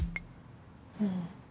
うん。